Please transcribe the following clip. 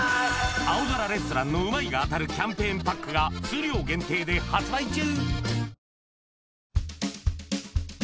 『青空レストラン』のうまい！が当たるキャンペーンパックが数量限定で発売中